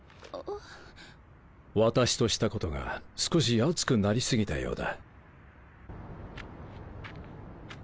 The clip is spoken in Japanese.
私としたことが少し熱くなり過ぎたようだ。